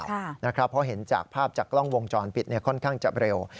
เพราะเห็นจากภาพจากกล้องวงจรปิดค่อนข้างจะเร็ว